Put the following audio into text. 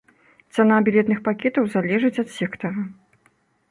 Цана білетных пакетаў залежыць ад сектара.